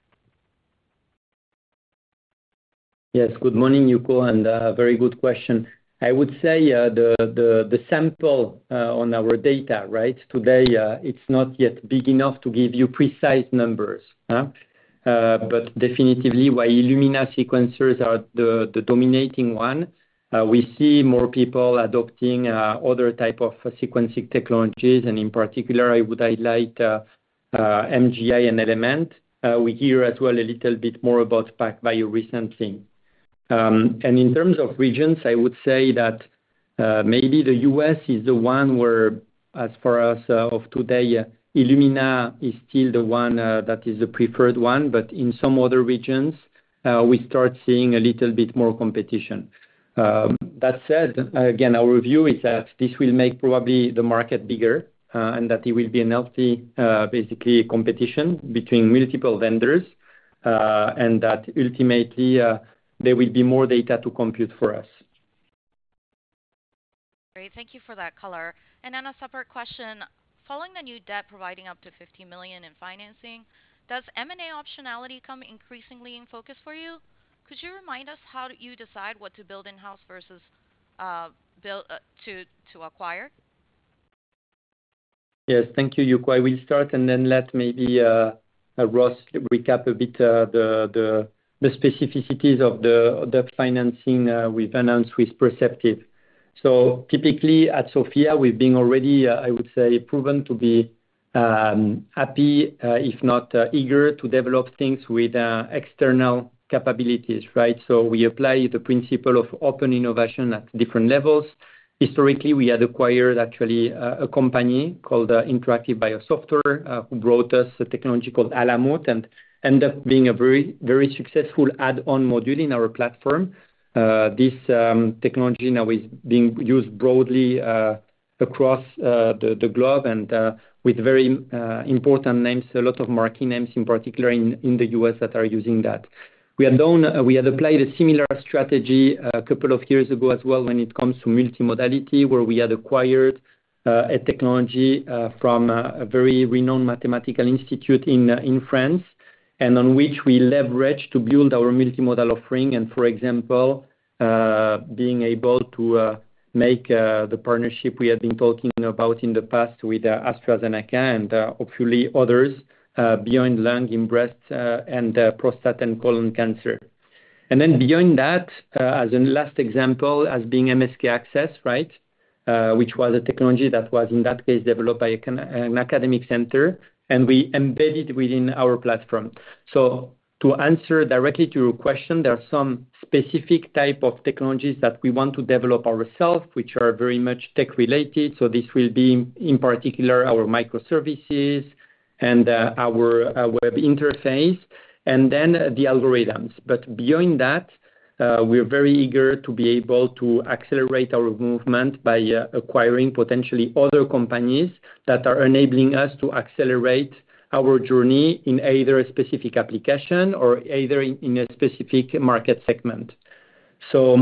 Yes. Good morning, Yuko, and very good question. I would say, the sample on our data, right? Today, it's not yet big enough to give you precise numbers, huh. But definitively, while Illumina sequencers are the dominating one, we see more people adopting other type of sequencing technologies, and in particular, I would highlight MGI and Element. We hear as well a little bit more about PacBio recently. And in terms of regions, I would say that maybe the U.S. is the one where, as far as of today, Illumina is still the one that is the preferred one, but in some other regions, we start seeing a little bit more competition. That said, again, our review is that this will make probably the market bigger, and that it will be a healthy, basically, competition between multiple vendors, and that ultimately, there will be more data to compute for us. Great, thank you for that color. Then a separate question: following the new debt providing up to $50 million in financing, does M&A optionality come increasingly in focus for you? Could you remind us how you decide what to build in-house versus build to acquire? Yes, thank you, Yuko. I will start and then let maybe Ross recap a bit, the specificities of the financing we've announced with Perceptive. So typically, at Sofia, we've been already I would say proven to be happy, if not eager to develop things with external capabilities, right? So we apply the principle of open innovation at different levels. Historically, we had acquired actually a company called Interactive Biosoftware, who brought us a technology called Alamut, and end up being a very, very successful add-on module in our platform. This technology now is being used broadly across the globe and with very important names, a lot of marketing names, in particular, in the U.S. that are using that. We had applied a similar strategy a couple of years ago as well, when it comes to multimodality, where we had acquired a technology from a very renowned mathematical institute in France, and on which we leveraged to build our multimodal offering. And for example, being able to make the partnership we had been talking about in the past with AstraZeneca and hopefully others beyond lung, in breast, and prostate and colon cancer. And then beyond that, as in last example, as being MSK-ACCESS, right? Which was a technology that was, in that case, developed by an academic center, and we embedded within our platform. So to answer directly to your question, there are some specific type of technologies that we want to develop ourself, which are very much tech-related, so this will be, in particular, our microservices and our web interface, and then the algorithms. But beyond that, we're very eager to be able to accelerate our movement by acquiring potentially other companies that are enabling us to accelerate our journey in either a specific application or either in a specific market segment. So,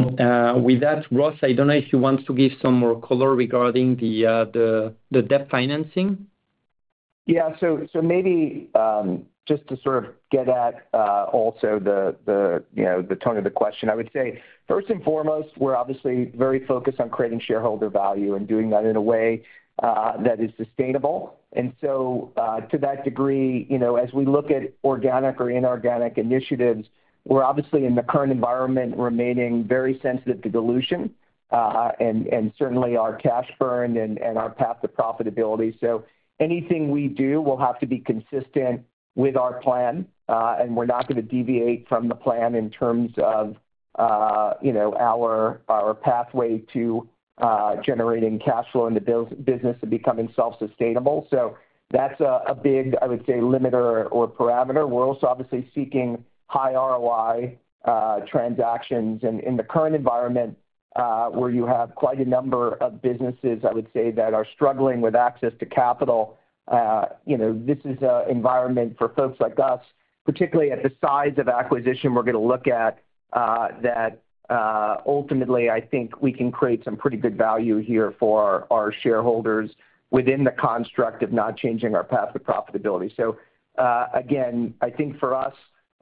with that, Ross, I don't know if you want to give some more color regarding the debt financing. Yeah. So maybe just to sort of get at also the you know the tone of the question. I would say, first and foremost, we're obviously very focused on creating shareholder value and doing that in a way that is sustainable. And so to that degree, you know, as we look at organic or inorganic initiatives, we're obviously in the current environment, remaining very sensitive to dilution and certainly our cash burn and our path to profitability. So anything we do will have to be consistent with our plan and we're not gonna deviate from the plan in terms of you know our pathway to generating cash flow in the business and becoming self-sustainable. So that's a big, I would say, limiter or parameter. We're also obviously seeking high ROI transactions. And in the current environment, where you have quite a number of businesses, I would say, that are struggling with access to capital, you know, this is an environment for folks like us, particularly at the size of acquisition we're gonna look at, that, ultimately, I think we can create some pretty good value here for our shareholders within the construct of not changing our path to profitability. So, again, I think for us,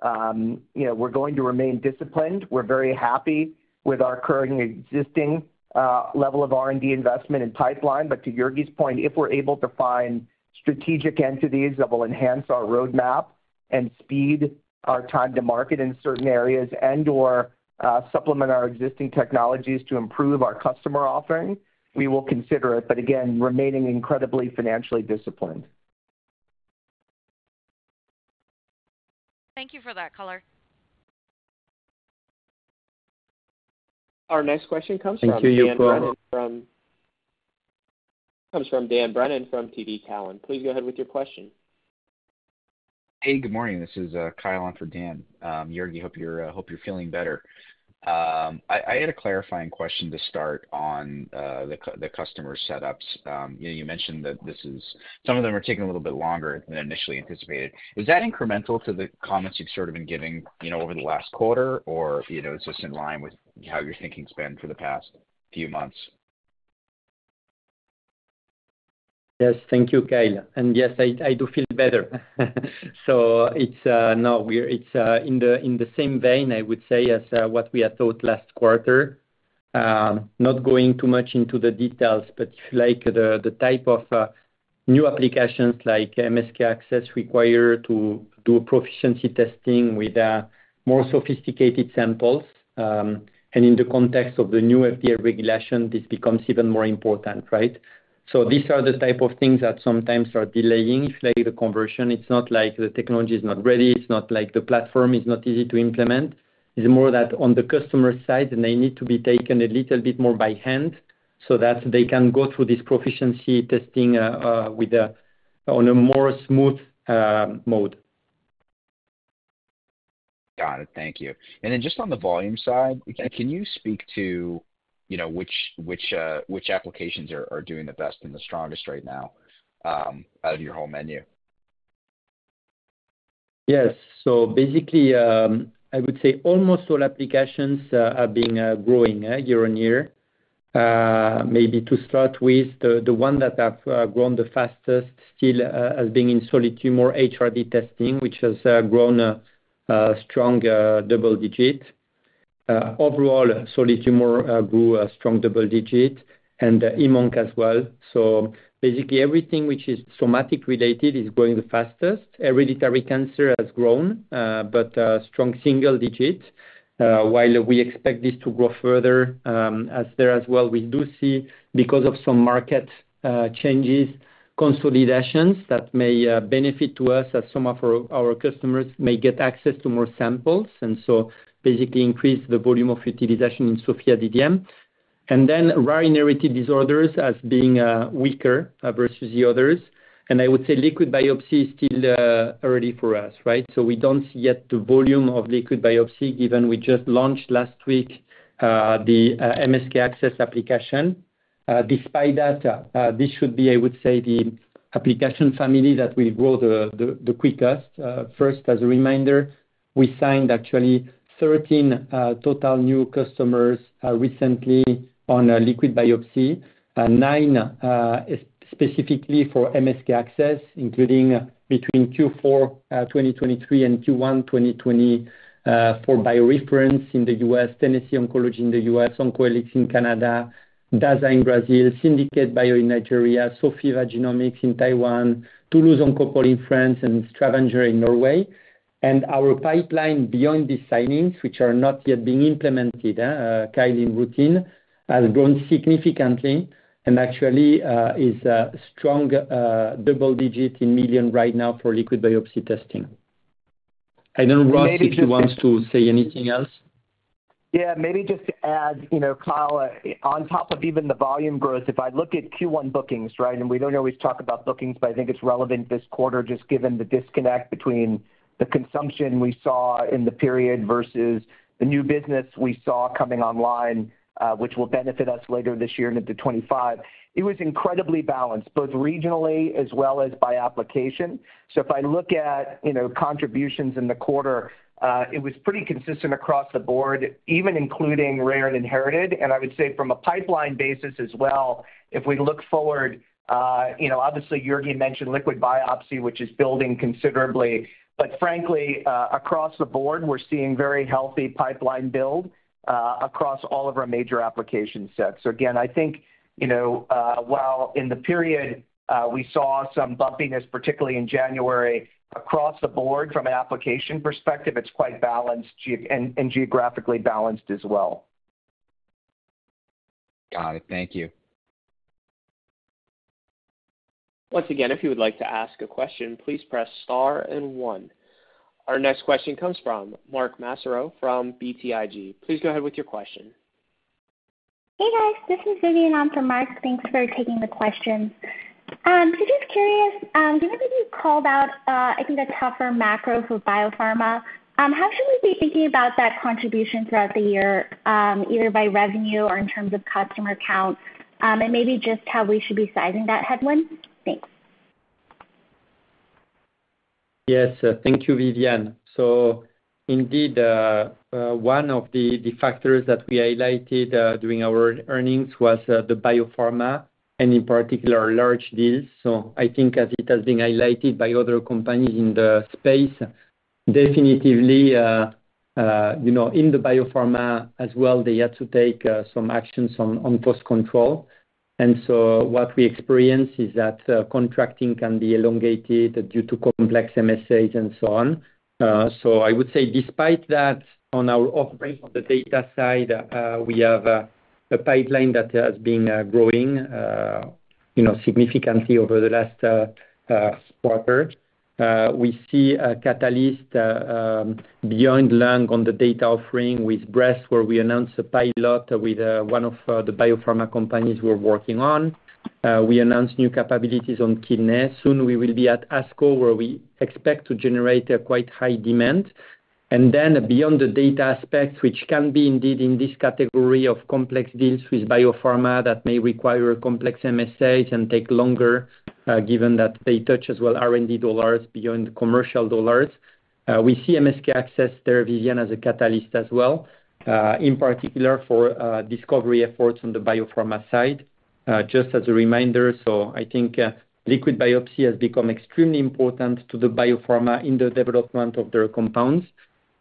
you know, we're going to remain disciplined. We're very happy with our current existing level of R&D investment and pipeline. But to Jurgi's point, if we're able to find strategic entities that will enhance our roadmap and speed our time to market in certain areas, and/or, supplement our existing technologies to improve our customer offering, we will consider it, but again, remaining incredibly financially disciplined. Thank you for that color. Our next question comes from- Thank you, Yuko. ... comes from Dan Brennan, from TD Cowen. Please go ahead with your question.... Hey, good morning. This is Kyle on for Dan. Jurgi, hope you're feeling better. I had a clarifying question to start on the customer setups. You know, you mentioned that this is—some of them are taking a little bit longer than initially anticipated. Is that incremental to the comments you've sort of been giving, you know, over the last quarter? Or, you know, it's just in line with how your thinking's been for the past few months? Yes, thank you, Kyle. And yes, I do feel better. So it's in the same vein, I would say, as what we had thought last quarter. Not going too much into the details, but like the type of new applications like MSK-ACCESS require to do proficiency testing with more sophisticated samples. And in the context of the new FDA regulation, this becomes even more important, right? So these are the type of things that sometimes are delaying, it's like the conversion. It's not like the technology is not ready, it's not like the platform is not easy to implement. It's more that on the customer side, they need to be taken a little bit more by hand, so that they can go through this proficiency testing with on a more smooth mode. Got it. Thank you. Just on the volume side, can you speak to, you know, which applications are doing the best and the strongest right now, out of your whole menu? Yes. So basically, I would say almost all applications are being growing year-on-year. Maybe to start with the one that have grown the fastest still has been in solid tumor HRD testing, which has grown a strong double digit. Overall, solid tumor grew a strong double digit and ImmOnc as well. So basically, everything which is somatic related is growing the fastest. Hereditary cancer has grown, but strong single digit. While we expect this to grow further, as there as well, we do see because of some market changes, consolidations that may benefit to us as some of our customers may get access to more samples, and so basically increase the volume of utilization in SOPHiA DDM. And then rare inherited disorders as being weaker versus the others. I would say liquid biopsy is still early for us, right? So we don't see yet the volume of liquid biopsy, given we just launched last week the MSK-ACCESS application. Despite that, this should be, I would say, the application family that will grow the quickest. First, as a reminder, we signed actually 13 total new customers recently on a liquid biopsy, nine specifically for MSK-ACCESS, including between Q4 2023 and Q1 2024 for BioReference in the U.S., Tennessee Oncology in the U.S., OncoHelix in Canada, Dasa in Brazil, Syndicate Bio in Nigeria, Sofiva Genomics in Taiwan, Toulouse Oncopole in France, and Stavanger in Norway. Our pipeline beyond these signings, which are not yet being implemented kind of in routine, has grown significantly and actually is a strong double-digit in millions right now for liquid biopsy testing. I don't know, Ross, if you want to say anything else? Yeah, maybe just to add, you know, Kyle, on top of even the volume growth, if I look at Q1 bookings, right? And we don't always talk about bookings, but I think it's relevant this quarter, just given the disconnect between the consumption we saw in the period versus the new business we saw coming online, which will benefit us later this year and into 2025. It was incredibly balanced, both regionally as well as by application. So if I look at, you know, contributions in the quarter, it was pretty consistent across the board, even including rare and inherited. And I would say from a pipeline basis as well, if we look forward, you know, obviously, Jurgi mentioned liquid biopsy, which is building considerably. But frankly, across the board, we're seeing very healthy pipeline build, across all of our major application sets. So again, I think, you know, while in the period, we saw some bumpiness, particularly in January, across the board from an application perspective, it's quite balanced and geographically balanced as well. Got it. Thank you. Once again, if you would like to ask a question, please press star and one. Our next question comes from Mark Massero from BTIG. Please go ahead with your question. Hey, guys, this is Vidyun on for Mark. Thanks for taking the question. So just curious, given that you called out, I think a tougher macro for biopharma, how should we be thinking about that contribution throughout the year, either by revenue or in terms of customer counts? And maybe just how we should be sizing that headwind. Thanks. Yes, thank you, Vidyun. So indeed, one of the factors that we highlighted during our earnings was the biopharma, and in particular, large deals. So I think as it has been highlighted by other companies in the space, definitively, you know, in the biopharma as well, they had to take some actions on cost control. And so what we experience is that contracting can be elongated due to complex MSAs and so on. So I would say despite that, on our offering on the data side, we have a pipeline that has been growing, you know, significantly over the last quarter. We see a catalyst beyond lung on the data offering with breast, where we announced a pilot with one of the biopharma companies we're working on. We announced new capabilities on kidney. Soon we will be at ASCO, where we expect to generate a quite high demand. And then beyond the data aspect, which can be indeed in this category of complex deals with biopharma that may require complex MSAs and take longer, given that they touch as well R&D dollars beyond commercial dollars. We see MSK-ACCESS as a catalyst as well, in particular for discovery efforts on the biopharma side. Just as a reminder, so I think, liquid biopsy has become extremely important to the biopharma in the development of their compounds.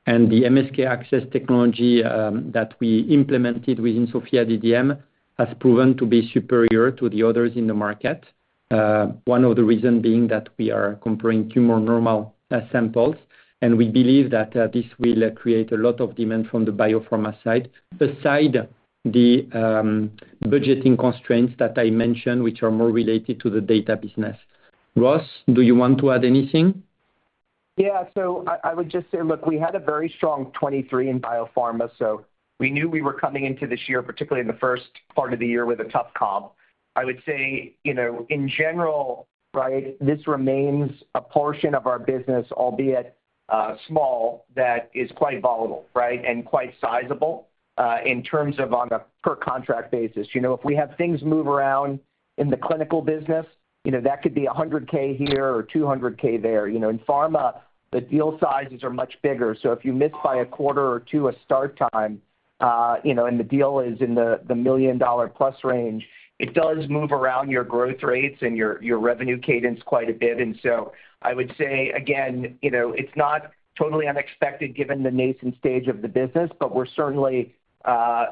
And the MSK-ACCESS technology that we implemented within SOPHiA DDM has proven to be superior to the others in the market. One of the reason being that we are comparing two more normal samples, and we believe that this will create a lot of demand from the Biopharma side. Besides the budgeting constraints that I mentioned, which are more related to the data business. Ross, do you want to add anything? Yeah. So I, I would just say, look, we had a very strong 2023 in biopharma, so we knew we were coming into this year, particularly in the first part of the year, with a tough comp. I would say, you know, in general, right, this remains a portion of our business, albeit, small, that is quite volatile, right? And quite sizable, in terms of on a per contract basis. You know, if we have things move around in the clinical business, you know, that could be $100,000 here or $200,000 there. You know, in pharma, the deal sizes are much bigger. So if you miss by a quarter or two, a start time, you know, and the deal is in the $1 million+ range, it does move around your growth rates and your, your revenue cadence quite a bit. I would say again, you know, it's not totally unexpected given the nascent stage of the business, but we're certainly,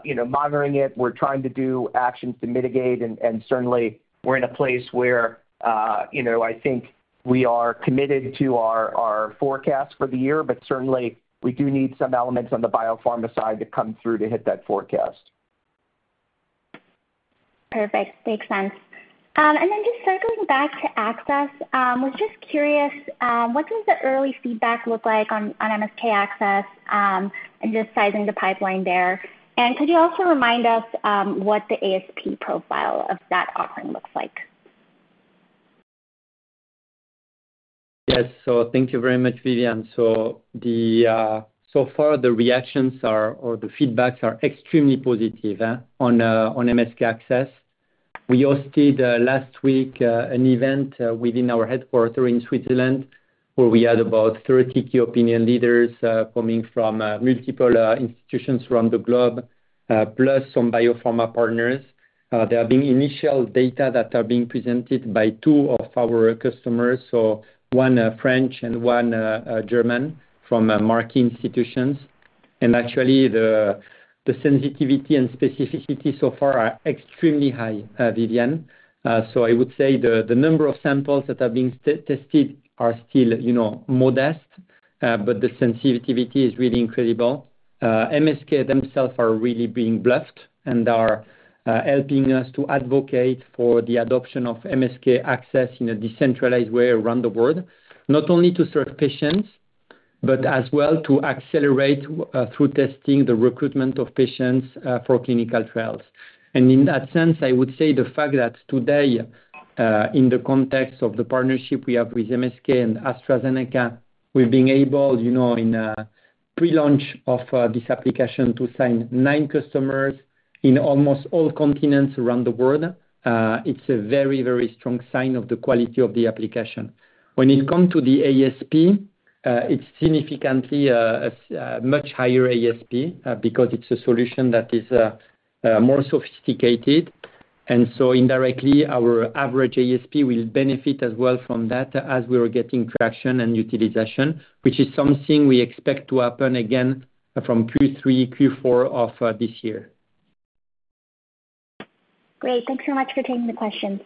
you know, monitoring it. We're trying to do actions to mitigate, and certainly we're in a place where, you know, I think we are committed to our forecast for the year. But certainly we do need some elements on the Biopharma side to come through to hit that forecast. Perfect. Makes sense. And then just circling back to ACCESS, was just curious what does the early feedback look like on MSK-ACCESS? And just sizing the pipeline there. And could you also remind us what the ASP profile of that offering looks like? Yes. So thank you very much, Vidyun. So far, the reactions are, or the feedbacks are extremely positive on MSK-ACCESS. We hosted last week an event within our headquarters in Switzerland, where we had about 30 key opinion leaders coming from multiple institutions around the globe plus some biopharma partners. There have been initial data that are being presented by two of our customers, so one French and one German from major institutions. And actually, the sensitivity and specificity so far are extremely high, Vidyun. So I would say the number of samples that are being tested are still, you know, modest, but the sensitivity is really incredible. MSK themselves are really being pushed and are helping us to advocate for the adoption of MSK-ACCESS in a decentralized way around the world. Not only to serve patients, but as well to accelerate through testing the recruitment of patients for clinical trials. And in that sense, I would say the fact that today in the context of the partnership we have with MSK and AstraZeneca, we've been able, you know, in pre-launch of this application, to sign nine customers in almost all continents around the world. It's a very, very strong sign of the quality of the application. When it comes to the ASP, it's significantly much higher ASP because it's a solution that is more sophisticated. And so indirectly, our average ASP will benefit as well from that as we are getting traction and utilization, which is something we expect to happen again from Q3, Q4 of this year. Great. Thanks so much for taking the questions.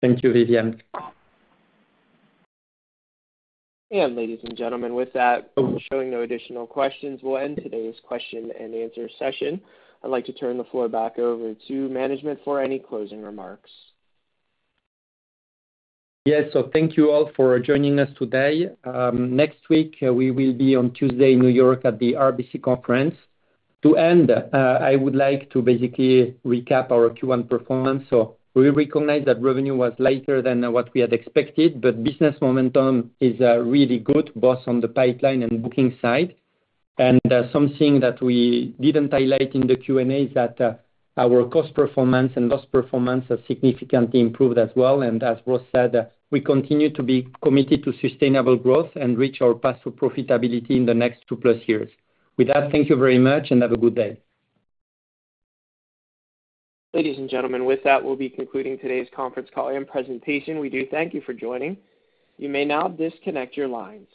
Thank you, Vidyun. Ladies and gentlemen, with that, showing no additional questions, we'll end today's question-and-answer session. I'd like to turn the floor back over to management for any closing remarks. Yes, so thank you all for joining us today. Next week, we will be on Tuesday, New York, at the RBC Conference. To end, I would like to basically recap our Q1 performance. So we recognize that revenue was lighter than what we had expected, but business momentum is really good, both on the pipeline and booking side. Something that we didn't highlight in the Q&A is that our cost performance and loss performance have significantly improved as well. As Ross said, we continue to be committed to sustainable growth and reach our path to profitability in the next two-plus years. With that, thank you very much, and have a good day. Ladies and gentlemen, with that, we'll be concluding today's conference call and presentation. We do thank you for joining. You may now disconnect your lines.